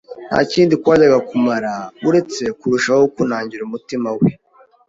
nta kindi kwajyaga kumara uretse kurushaho kunangira umutima we,